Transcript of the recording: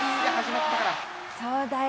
そうだよ。